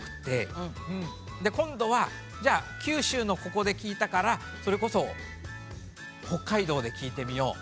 で今度はじゃあ九州のここで聞いたからそれこそ北海道で聞いてみよう。